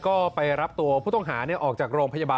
ก็ไปรับตัวผู้ต้องหาออกจากโรงพยาบาล